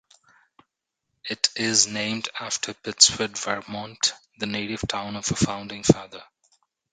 It is named after Pittsford, Vermont, the native town of a founding father.